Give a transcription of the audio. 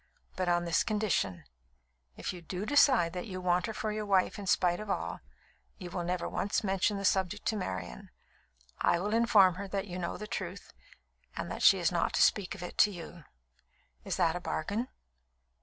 But on this condition if you do decide that you want her for your wife in spite of all, you will never once mention the subject to Marian. I will inform her that you know the truth and that she is not to speak of it to you. Is that a bargain?"